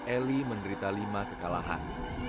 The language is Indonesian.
eli menderita lima kekalahan